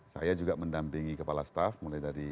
saya juga mendampingi kepala staff mulai dari